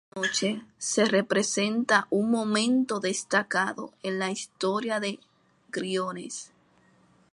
Al caer la noche se representa un momento destacado en la historia de Briones.